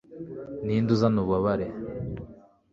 ninde uzana ububabare